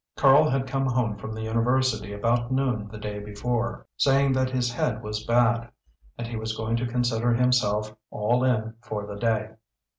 Karl had come home from the university about noon the day before, saying that his head was bad and he was going to consider himself "all in" for the day.